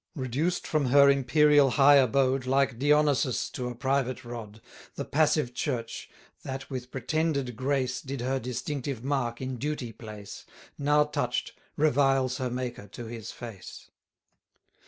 Reduced from her imperial high abode, 1260 Like Dionysius to a private rod, The Passive Church, that with pretended grace Did her distinctive mark in duty place, Now touch'd, reviles her Maker to his face.